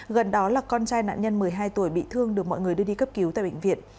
gần đó là con trai nạn nhân một mươi hai tuổi bị thương được mọi người đưa đi cấp cứu tại bệnh viện